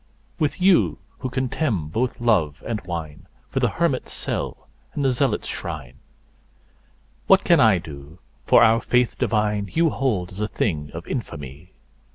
With you, who contemn both love and wine2 for the hermit's cell and the zealot's shrine, What can I do, for our Faith divine you hold as a thing of infamy?